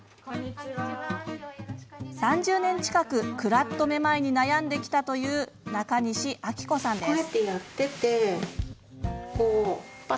３０年近くクラッとめまいに悩んできたという中西暁子さんです。